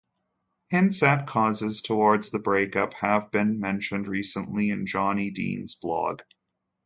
Hints at causes towards the breakup have been mentioned recently in Johnny Dean's blog.